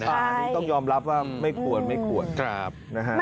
ใช่ต้องยอมรับว่าไม่ควรนะฮะครับ